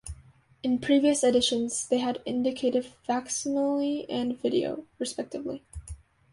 In previous editions, they had indicated facsimile and video, respectively.